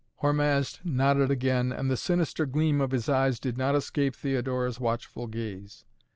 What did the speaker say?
Hormazd nodded again and the sinister gleam of his eyes did not escape Theodora's watchful gaze.